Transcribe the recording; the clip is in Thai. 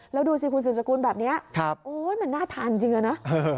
แล้วดูสิคุณสืบสกุลแบบนี้โอ๊ยมันน่าทานจริงเลยนะ